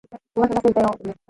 お腹がすいたよ